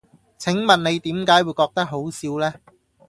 請問你點解會覺得好笑呢？